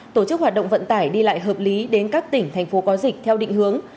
tổ chức hoạt động vận tải đi lại hợp lý đến các tỉnh thành phố có dịch theo định hướng